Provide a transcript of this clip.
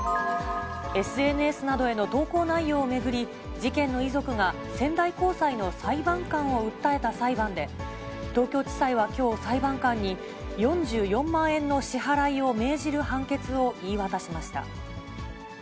ＳＮＳなどへの投稿内容を巡り、事件の遺族が仙台高裁の裁判官を訴えた裁判で、東京地裁はきょう、裁判官に４４万円の支払いを命じる判決を言い渡しました。